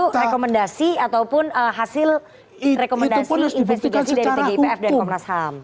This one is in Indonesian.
itu rekomendasi ataupun hasil rekomendasi investigasi dari tgipf dan komnas ham